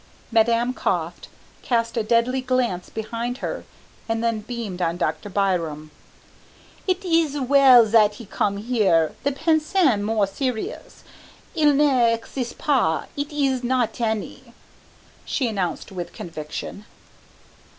Madame coughed, cast a deadly glance behind her and then beamed on Dr. Byram. "It ees well zat he come here. The pension more serious, il n'en existe pas, eet ees not any!" she announced with conviction.